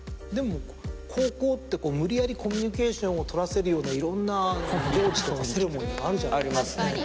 でも高校って無理やりコミュニケーションを取らせるようないろんな行事とかセレモニーがあるじゃないですか？